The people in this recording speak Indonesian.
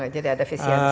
jadi ada efisiensi